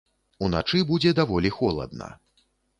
Уначы будзе даволі холадна.